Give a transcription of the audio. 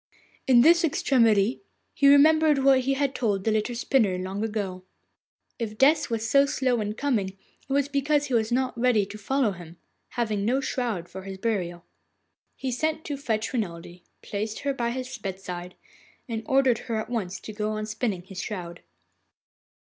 In this extremity he remembered what he had told the little spinner long ago. If Death was so slow in coming, it was because he was not ready to follow him, having no shroud for his burial. He sent to fetch Renelde, placed her by his bedside, and ordered her at once to go on spinning his shroud.